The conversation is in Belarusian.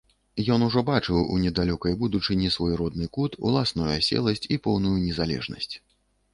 Ён ужо бачыў у недалёкай будучыні свой родны кут, уласную аселасць і поўную незалежнасць.